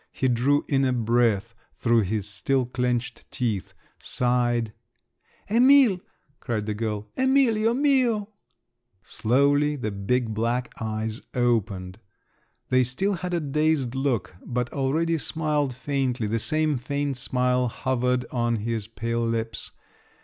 He drew in a breath through his still clenched teeth, sighed…. "Emil!" cried the girl … "Emilio mio!" Slowly the big black eyes opened. They still had a dazed look, but already smiled faintly; the same faint smile hovered on his pale lips.